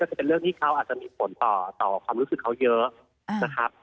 จะเป็นเรื่องที่เขาอาจจะมีผลต่อความรู้สึกเขาเยอะนะครับ